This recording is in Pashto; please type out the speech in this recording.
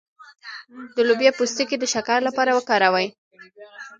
د لوبیا پوستکی د شکر لپاره وکاروئ